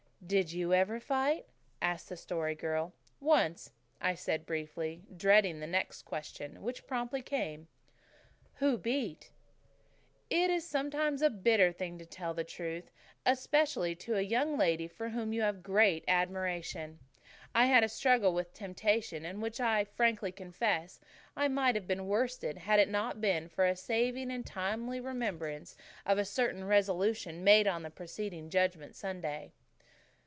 "Did you ever fight?" asked the Story Girl. "Once," I said briefly, dreading the next question, which promptly came. "Who beat?" It is sometimes a bitter thing to tell the truth, especially to a young lady for whom you have a great admiration. I had a struggle with temptation in which I frankly confess I might have been worsted had it not been for a saving and timely remembrance of a certain resolution made on the day preceding Judgment Sunday.